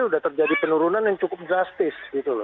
sudah terjadi penurunan yang cukup drastis